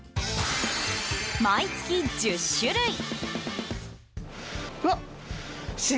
毎月１０種類。